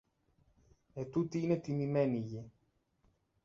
Ετούτη είναι τιμημένη γη.